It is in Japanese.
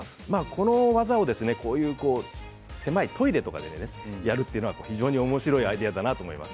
この技を狭いトイレとかでやるというのは非常におもしろいアイデアだなと思います。